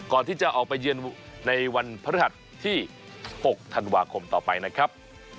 ก่อนที่จะออกไปเยือนในวันพฤหัสที่๖ธันวาคมต่อไปนะครับ